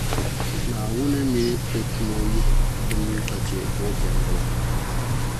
Naawuni mini O tumo yihi bɛ nuu ka chɛ buɣujɛmdiba.